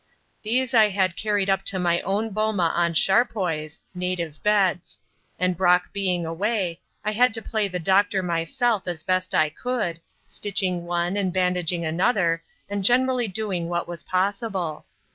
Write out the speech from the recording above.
These I had carried up to my own boma on charpoys (native beds); and Brock being away, I had to play the doctor myself as best I could, stitching one and bandaging another and generally doing what was possible.